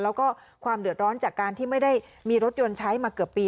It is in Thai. แล้วก็ความเดือดร้อนจากการที่ไม่ได้มีรถยนต์ใช้มาเกือบปี